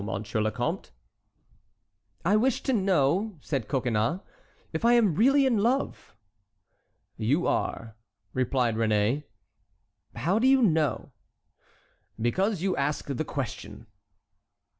le Comte?" "I wish to know," said Coconnas, "if I am really in love?" "You are," replied Réné. "How do you know?" "Because you asked the question."